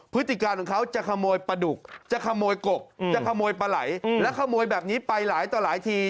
พฤติการของเขาจะขโมยปลาดุกจะขโมยกกจะขโมยปลาไหลและขโมยแบบนี้ไปหลายต่อหลายที